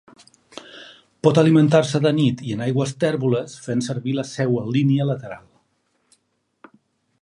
Pot alimentar-se de nit i en aigües tèrboles fent servir la seua línia lateral.